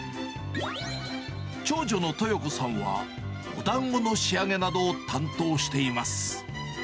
長女の豊子さんは、おだんごの仕上げなどを担当しています。